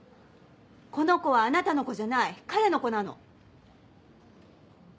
この子はあなたの子じゃない彼の子なの。